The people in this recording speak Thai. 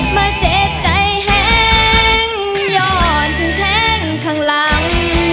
มาเจ็บใจแห้งหย่อนถึงแทงข้างหลัง